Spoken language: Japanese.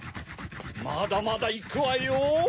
まだまだいくわよ。